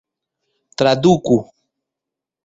traduku